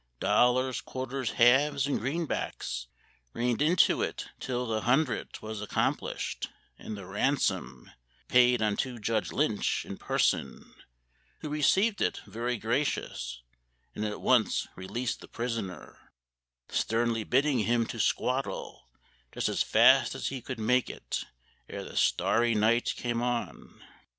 Dollars, quarters, halves, and greenbacks Rained into it till the hundred Was accomplished, and the ransom Paid unto Judge Lynch in person, Who received it very gracious, And at once released the prisoner, Sternly bidding him to squaddle, Just as fast as he could make it, Ere the starry night came on.